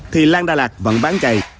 thì lan đà lạt vẫn bán chạy